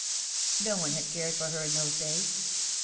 No one had cared for her in those days.